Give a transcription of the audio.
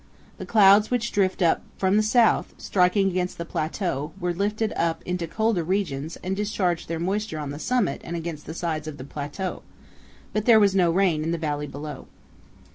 The clouds which drifted up from the south, striking against the plateau, were lifted up into colder regions and discharged their moisture on the summit and against the sides of the plateau, but there was no rain in the valley below.